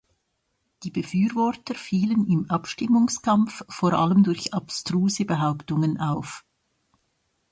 Die Befürworter fielen im Abstimmungskampf vor allem durch abstruse Behauptungen auf.